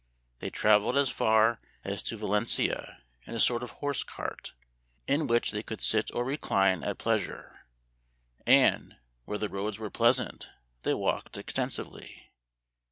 They traveled as far as to 192 Memoir of Washington living. Valencia in a sort of horse cart, in which they could sit or recline at pleasure ; and, where the roads were pleasant, they walked extensively.